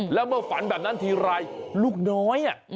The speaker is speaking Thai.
แล้วเมื่อฝันแบบนั้นทีไรลูกน้อย